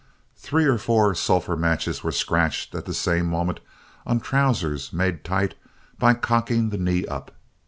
Three or four sulphur matches were scratched at the same moment on trousers made tight by cocking the knee up.